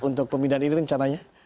untuk pemindahan ini rencananya